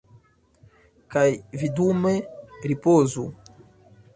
Kaj vi dume ripozu.